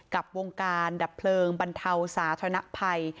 กับวงการดับเพลิงบรรเทาสาธารณภัย